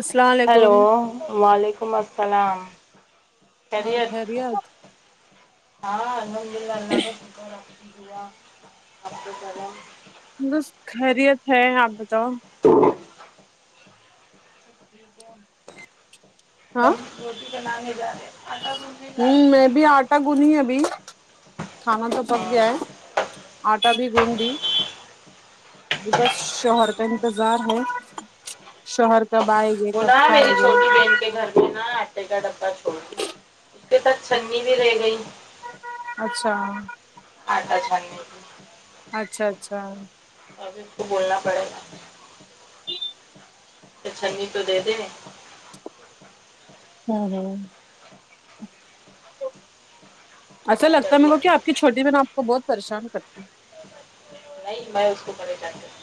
السلام علیکم ہیلو وعلیکم السلام سلام اور خیریت ہاں الحمد للہ اللہ کا شکر ہے [inaudible] اللہ کا شکر ہے بس خیریت ہے آپ بتاؤ [inaudible] ہاں بند گوبی بنانے جا رہے آٹا گوندنے جا ہوں رہے میں بھی آٹا گنی ابھی کھانا تو پک گیا ہے ہاں آٹا بھی گوند دی ج بس شوہر کا انتظار ہے شوہر کب آے یے وہ کب نا کھائے میری لیے چھوٹی [inaudible] بہن کے گھر میں نا آٹے کا ڈبہ چھوڑا اس کے ساتھ چھنی بھی رہ گئی اچھا آٹا چھاننے [inaudible] اچھا اچھا اب اس کو بولنا پڑے گا [inaudible] تو چھنی تو دے دے ہوں ہوں ایسا کیا کر لگتا ہے دیا؟ میرے کو کہ آپ کی چھوٹی بہن آپ کو بہت پریشان کرتی ہیں نہیں میں اس کو پریشان کرتی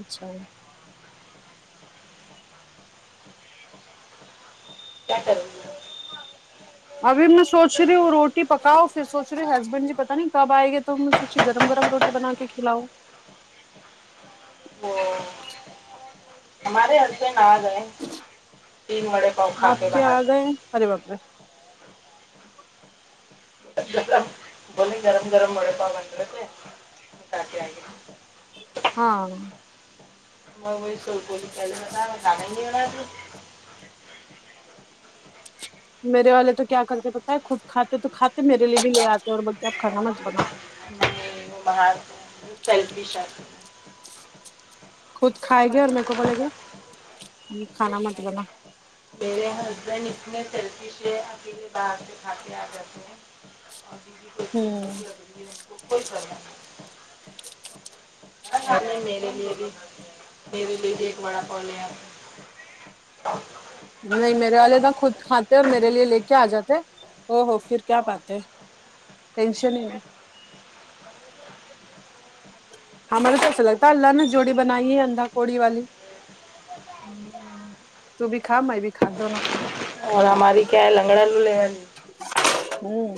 اچھا کیا کروگی ابھی میں سوچ رہیوں وہ روٹی پکاؤ پھر سوچ رہی ہسبینڈ جی پتا نہیں کب آئے گئے تو ہم نے سوچی گرم گرم روٹی ٹی بنا کے کھلاؤں وہ ہمارے ہسبینڈ آ گئے تین وڑے پؤ کھا آپ کے باہر آ سے گئے ارے باپ رے بولی گرم گرم بڑے پاؤ بن رہے تھے کھا کے ائے ہاں میں وہ سو رہی ہوں [unintelligible] میرے والے تو کیا کرتے بت خود کھاتے تو کھاتے میرے لیے بھی یہ آتے اور بولتے آب کھانا مت بنا ہوں باہر سلفش ہے خود کھائے گیا اور میرے کو بولے گیا ہم کھانا مت بنا میرے ہسبینڈ اتنے سلفیش ہے اکیلے باہر سے کھاکے آ جاتے ہیں ابھی اسی ہوں بھوک لگ رہی ہے ان کو کوئی پرواہ نہیں میرے لیے بھی میرے لیے بھی ایک وڑا پاؤ لے آ نہیں میرے والے کا خود کھات ے اور میرے لیے لے کے آ جاتے او ہو پھر کیا پات ہے ٹینشن ہی نہیں ہاں میں نے تو ایسے لگتا ہے اللہ نے جوڑی بنائی ہے اندا کوڑی والی تو بھی کھا میں بھی کھا دونوں کھا اور ہماری کیا ہے لنگڑا لولے ہے ہوں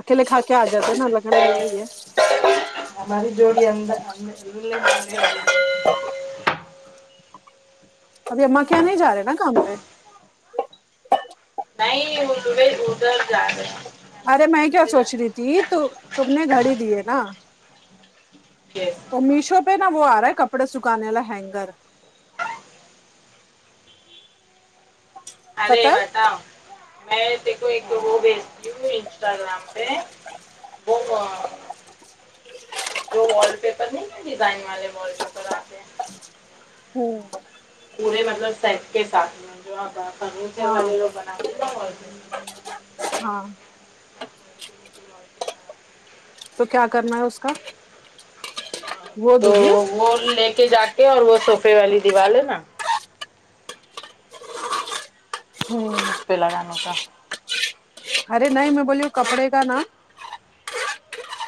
اکیلے کھا کے آ جاتے ہیں نا لنگڑے لولے ہی ہے ہماری جوڑی [unintelligible] ابھی اماں کے یہاں نہیں جا رہے نا کام پہ نہیں ا ادھر جا رہے ارے میں کیا ہیں سوچ رہی تھی تو تم نے گھڑی دیے نا [inaudible] او میشو پہ نا وہ آ رہا ہے کپڑے سکھانے والا ہینگر ارے پتا ہے بتاؤ میں [unintelligible] تو ایک وہ بھیجتی ہوں انسٹاگرام پہ وہ جو وال پیپر نہیں ہے ڈیزائن والے وال پیپر آتے ہیں ہوں پورے مطلب سیٹ کے ساتھ میں جو آ فرنیچر ہاں والے لوگ بناتے ہیں نا وال پیپر ہاں تو کیا کرنا ہے اس کا ہ وہ تو دیجیے وہ لے کے جا کے اور وہ سوفے والی دیوال ہے نا اس پہ لگانے کا ارے نہیں میں بولیوں کپڑے کا نا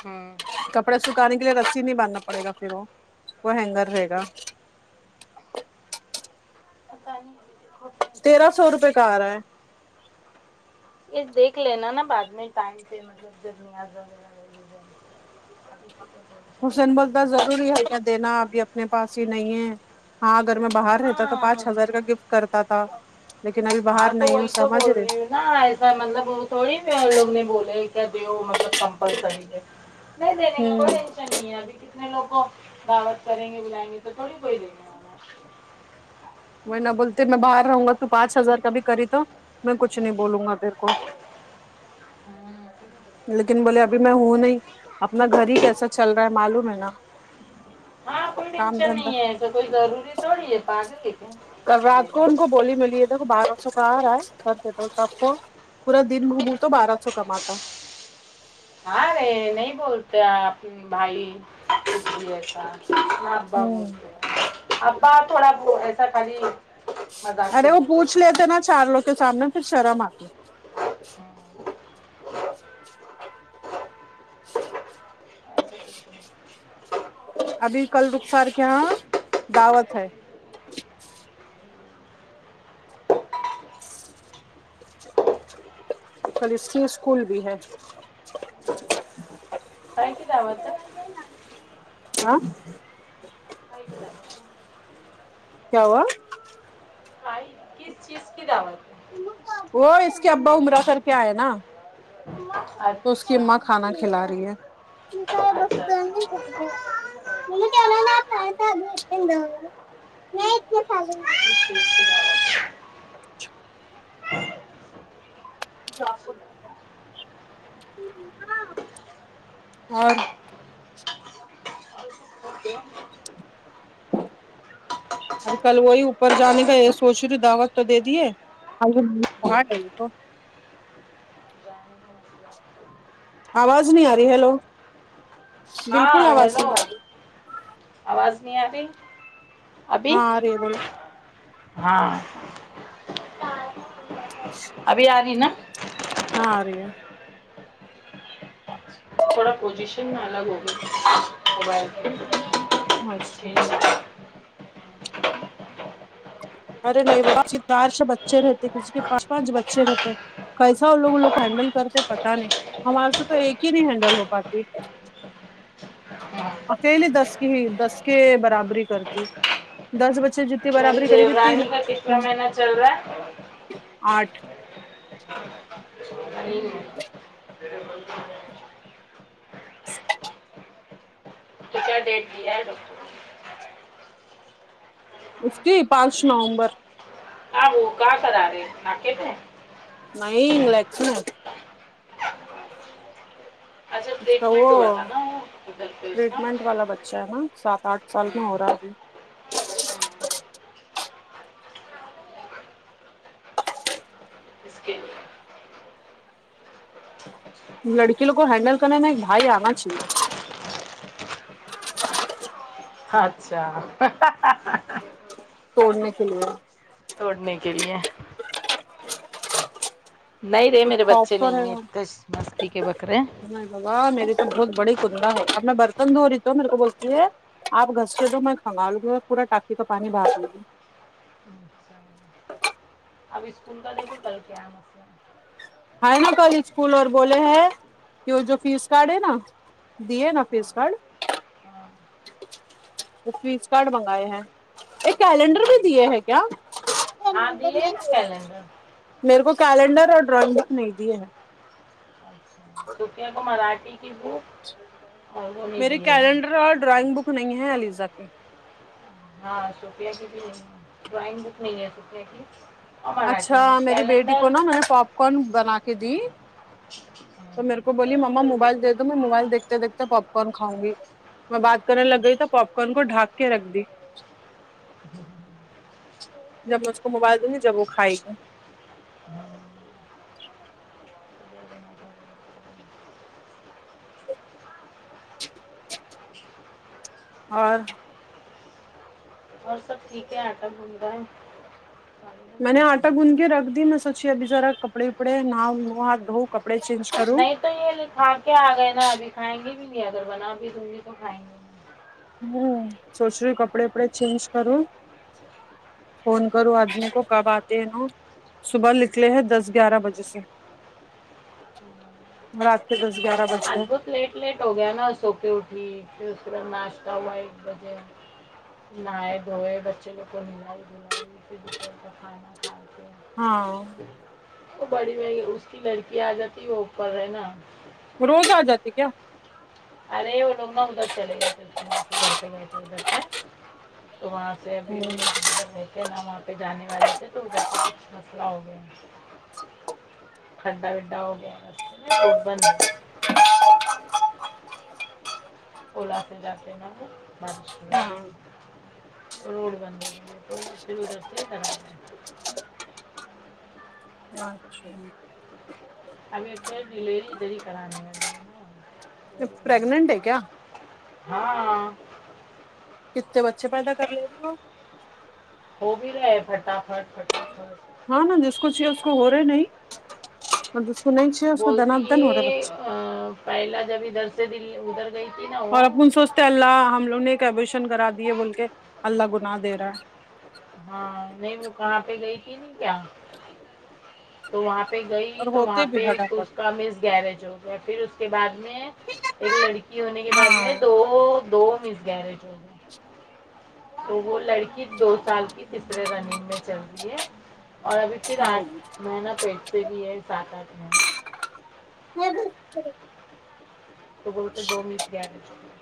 ہاں کپڑے سکھانے کے لیے رسی نہیں باندھنا پڑے گا پھر وہ وہ ہینگر رہے گا پتہ نہیں دیکھو تیرہ سو روپئے کا آرہا ہے یہ دیکھ لینا نا بعد میں ٹائم پہ مطلب [unintelligible] حسین بولتا ضروری ہے کیا دینا ابھی اپنے پاس ہی نہیں ہے ہاں اگر میں باہر رہتا تو ہاں پانچ ہزار کا گفٹ کرتا تھا لیکن ابھی باہر نہیں ہوں سمجھ رہے نہ ایسا مطلب وہ تھوڑی لوگ نے بولے کیا دیو مطلب کمپلسری ہے نہیں دینے کا ہوں کوئی ٹشن نہیں ابھی کتنے لوگ کو دعوت کریں گے بلائیں گے تو تھوڑی کوئی دیں گے وہ نہ بولتے میں باہر رہوں گا تو پانچ ہزار کا بھی خریدو میں کچھ نہیں بولوں گا تیرے کو ہے۔ لیکن بولے اب اب میں ہوں نہیں اپنا گھر ہی کیسا چل رہا ہے معلوم ہے نا ہاں کوئی کام ٹینشن دھندا نہیں ہے ایسا کوئی ضروری تھوڑی ہے پاگل ہے کیا کل رات کو دینا ان کو بولی ملی ے بارہ سو کا آ رہا ہے خ دیتا تو سب کو پورا دن گھوموں تو بارہ سو کماتا ہاں رے نہیں بولتے اپ بھائی کبھی ایسا نا ابا ہوں بولتے ہیں ابا تھوڑا ب ایسا خالی مذاق سے ارے وہ بولتے پوچھ ہوں لیتے نا چار لوگ کے سامنے پھر شرم آتی [unintelligible] ابھی کل رخسار کے یہاں دعوت ہے کل اس کی اسکول بھی ہے کاہے دعوت ہے [unintelligible] ہاں [unintelligible] کیا ہوا بھائی کس چیز کی دعوت ہے وہ اس کے ابا امرا کر کے آئے نا ہے اس کی اچھا امہ کھانا کھلا رہی ہے اچھا اچھا [unintelligible] کس چیز کی دعوت ہے اور [unintelligible] ابھی کل وہی اوپر جانے کا یہ سوچ رہ دعوت تو دے دیے [unintelligible] آواز نہیں آ رہی ہیلو بالکل ہاں آواز ہیلو نہیں آ رہی آواز نہیں آ رہی ابھی ہاں ارہی ہے بولو ہاں ابھی آ رہی نا ہاں ارہی ہے تھوڑا پوزیشن میں الگ ہوگئی موبائل اچھا ارے نہیں بابا چار سو بچے رہتے کسی کے پچ پانچ بچے رہتے کیسا لوگ ان لوگ کو ہینڈل کرتے پتہ نہیں ہمارے سے تو ایک ہی نہیں ہینڈل ہو پاتی ہے اکیلے دس کی ہی دس کے برابری کرتی دس بچے جیتتی برابری کری گ پانی کا کتنا مہینہ چل رہا ہے آٹھ نہیں [unintelligible] اس کی پانچ نومبر آ وہ کہ کرا رے [unintelligible] نہیں [unintelligible] اچھا اس کا وہ ٹریٹمنٹ ہوا تھا نا وہ ادھر پہ اس کا ٹریٹمنٹ والا بچہ ہے نا سات آٹھ سال میں ہاں، ہو رہا ہے ابھی ہاں، اس کے لیے لڑکی لوگ کو ہینڈل کرنے میں ایک بھائی آنا چاہیے اچھا توڑنے کے لیے توڑنے کے لیے نہیں رے کچھ میرے خوف بچھے سا نہیں ہیں رہے اتنے مستی کے بکرے باں میری تو بہت بڑی کندا ہے اب میں برتن دھو رہی ہوں میرے کو بولتی ہے آپ گھس کے دو میں کھنگا لوں گی اور پورا ٹکی کا پانی بھا لوں گی اب اسکول کا دیکھو کل کیا مسلہ ہے نا کل اسکول اور بولے ہے کہ وہ جو فیس کاڈے ہے نا دییےنا فیس کارڈ ہاں فیس کارڈ منگائے ہیں ایک کیلنڈر بھی دیے ہیں کیا ہاں دیے نا کیلنڈر میرے کو کیلنڈر اور ڈرائنگ بک نہیں دیے ہیں اچھا سفیہ کو مراٹھی کی بک اور وہ نہیں میری دیے ہوئے کیلنڈر اور ڈرائنگ بک نہیں ہے علیزا کے ہاں سوفیا کی بھی نہیں ہے ڈرائنگ بک نہیں ہے سوفیا کی اور اچھا مراٹھی میں میری بیٹی کو کیلنڈر نا میں نے پاپ کارن بنا کے دی تو میرے کو بولی مما موبائل دے دو میں موبائل دیکھ دیکھتے پاپ کارن کھاؤ نگی میں بات کرنے لگ گئی تو پاپ کارن کو ڈھانپ کے رکھ دی جب میں اس کو موبائل دوں گی جب وہ کھائے گی اور اور سب ٹھیک ہے آٹا بم ہے میں نے آٹا گوند کے رکھ دی میں سوچی ابھی ذرا کپڑے اپڑے نہاوں منہ ہاتھ دھوں کپڑے چینج کروں نہیں تو یہ کھا کے آ گئے نا ابھی کھائیں گے بھی نہیں اگر بنا بھی تم نہیں تو کھائیں گے نہیں۔ ہمم سوچ رہی کپڑے اپڑے چینج کروں فون کروں آدمی کو کب آتے ہیں انہو صبح نکلے ہیں دس گیارہ بجے سے رات کے دس گیارہ بج آج گئے بہت لیٹ لیٹ ہو گیا نا سو کے اٹھی پھر اس کا ناشتہ وائٹ بجے نہائے دھوئے بچے لوگ کو نہلائی دھلائی پھر بچے کا کھانا کھاتے ہیں ہاں وہ بڑی والی اس کی لڑکی آ جاتی وہ اوپر رہے نا وہ روز آ جاتی کیا ارے وہ لوگاں ادھر چلے گئے [unintelligible] تو وہاں سے ابھی وہ لوگ کدھر رہ کیا نہ وہاں پہ جانے والے تھے تو ادھر سے کچھ مسئلہ ہو گیا کھڈا وڈا ہو گیا ہے روڈ بند ہے اولا سے جاتے ہیں نہ بارش ہاں روڈ بن رہی ہے پھر ادھر سے ادھر آے اچھا جی ہمیں [unintelligible] ڈلیوری ادھر کرانے ہے نا پرگنینٹ ہے کیا ہاں کتنے بچے پیدا کر لیتی ہو ہو بھی رہے ہیں فٹافٹ فٹافٹ ہاں نا جس کو چاہیے اس کو ہو رہے نہیں اور جس کو نہیں چاہیے اس کو دنا دن ہو رہے بچے ہاں پہلا جب ادھر سے د ادھر گئی تھی نا اور وہ اپن سوچتے اللہ ہم لوگوں نے ایک ایبوشن کرا دیے بول کے اللہ گناہ دے رہا ہے ہاں نہیں وہ کہاں پہ گئی تھی کیا تو وہاں پہ گئی اور تو وہاں ہوتے بھی پہ ایک پھٹافٹ اس کا مس گیرج ہو گیا پھر اس کے بعد میں ایک لڑکی ہونے کے بعد میں دو دو مس گیرج ہوگی تو وہ لڑکی دو سال کی تیسرے رننگ میں چل رہی ہے اور ابھی پھر آٹھ ہاں مہینہ پرگنینٹ سے بھی ہے سات آٹھ مہینہ تو بولتے دو مس گیرج ہوگیا